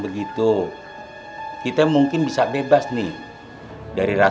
setrahin semua sama yang atas